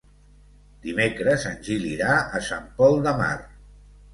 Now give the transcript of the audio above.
Dimecres en Gil irà a Sant Pol de Mar.